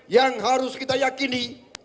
yang harus kita yakini